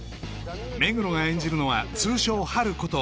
目黒が演じるのは通称ハルこと